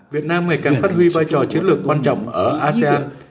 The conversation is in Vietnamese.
việt nam ngày càng phát huy vai trò chiến lược quan trọng ở asean